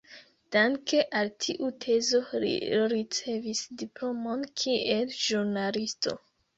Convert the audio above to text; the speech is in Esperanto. Danke al tiu tezo li ricevis diplomon kiel ĵurnalisto.